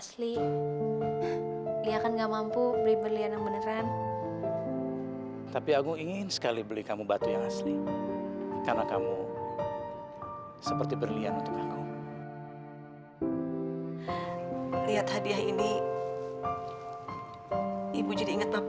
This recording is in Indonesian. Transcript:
sampai jumpa di video selanjutnya